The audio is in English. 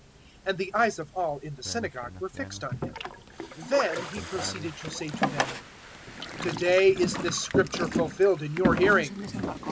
And the eyes of all in the synagogue were fixed on Him. 004:021 Then He proceeded to say to them, "To day is this Scripture fulfilled in your hearing."